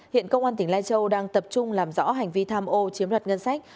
hiện công an tỉnh lai châu đang tập trung làm rõ hành vi tham ô chiếm đoạt ngân sách